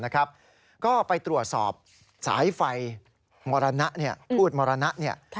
ก็ไปตรวจสอบสายไฟมรณะพูดมรณะ